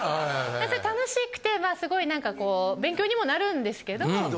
楽しくてまあすごいなんかこう勉強にもなるんですけど。